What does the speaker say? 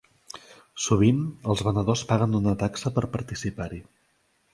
Sovint, els venedors paguen una taxa per participar-hi.